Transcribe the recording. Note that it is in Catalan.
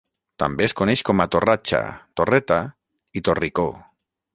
També es coneix com a torratxa, torreta i torricó.